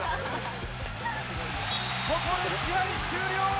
ここで試合終了。